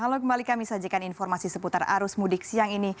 halo kembali kami sajikan informasi seputar arus mudik siang ini